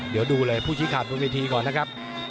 เดี๋ยวดูเลยผู้ชิคคาบตรงนี้ทีก่อนนะครับ